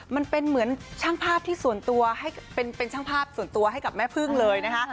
มันเป็นเหมือนช่างภาพที่ส่วนตัวให้เป็นช่างภาพส่วนตัวให้กับแม่พึ่งเลยนะคะ